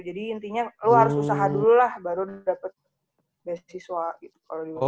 jadi intinya lu harus usaha dulu lah baru dapet beasiswa gitu